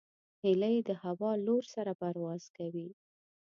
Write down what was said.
هیلۍ د هوا له لور سره پرواز کوي